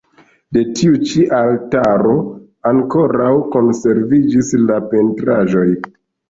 De tiu ĉi altaro ankoraŭ konserviĝis la pentraĵoj.